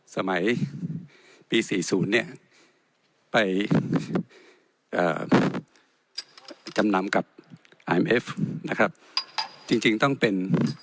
สมัยปีสี่ศูนย์เนี้ยไปอ่าจำนำกับนะครับจริงจริงต้องเป็น